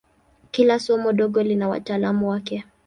Kila somo dogo lina wataalamu wake.